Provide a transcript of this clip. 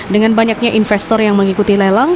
dengan banyaknya investor yang mengikuti lelang